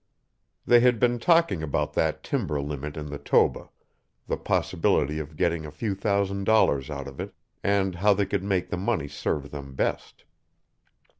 They had been talking about that timber limit in the Toba, the possibility of getting a few thousand dollars out of it, and how they could make the money serve them best.